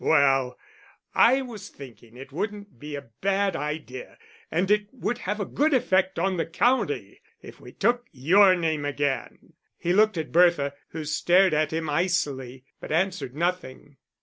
"Well, I was thinking it wouldn't be a bad idea, and it would have a good effect on the county, if we took your name again." He looked at Bertha, who stared at him icily, but answered nothing.